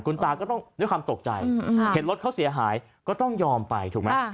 คุณตาก็ต้องด้วยความตกใจเห็นรถเขาเสียหายก็ต้องยอมไปถูกไหม